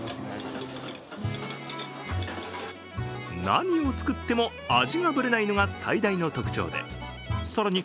何を作っても味がブレないのが最大の特徴で更に